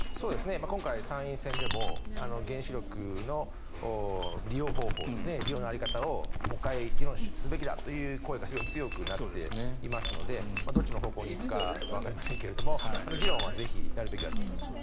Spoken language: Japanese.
今回、参院選でも原子力の利用方法ですね利用の在り方をもう一回議論すべきだという声が非常に強くなっていますのでどっちの方向に行くかわかりませんが議論はぜひやるべきだと思います。